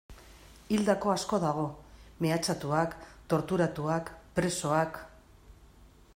Hildako asko dago, mehatxatuak, torturatuak, presoak...